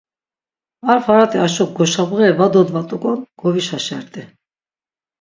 Ar farati aşo goşabğeri va dodvat̆uk̆on govişaşert̆i.